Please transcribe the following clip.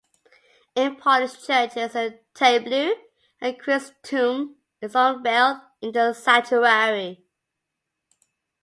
In Polish churches, a tableau of Christ's Tomb is unveiled in the sanctuary.